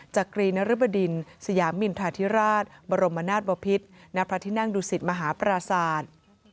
จักรีนรบดินสยามินทาธิราชบรมนาศบพิษณพระที่นั่งดูสิตมหาปราศาสตร์